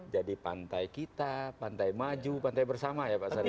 jadi pantai kita pantai maju pantai bersama ya pak sarip